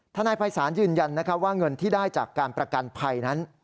นายภัยศาลยืนยันว่าเงินที่ได้จากการประกันภัยนั้น